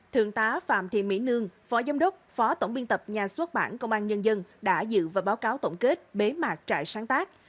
thượng tá phạm thị mỹ nương phó giám đốc phó tổng biên tập nhà xuất bản công an nhân dân đã dự và báo cáo tổng kết bế mạc trại sáng tác